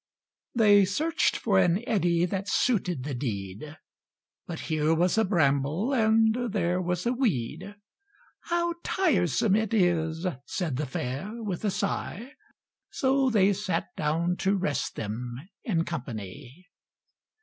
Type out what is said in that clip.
They searched for an eddy that suited the deed, But here was a bramble and there was a weed; "How tiresome it is!" said the fair, with a sigh; So they sat down to rest them in company.